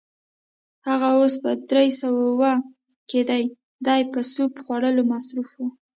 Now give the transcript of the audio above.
هغه اوس په درې سوه اووه کې دی، دی په سوپ خوړلو مصروف و.